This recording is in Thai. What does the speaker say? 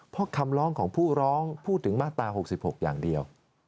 เพราะคำร้องของผู้ร้องพูดถึงมาตรา๖๖อย่างเดียว